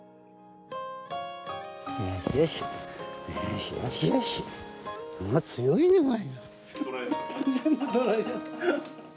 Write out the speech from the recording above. よーし、よしよし強いね、お前。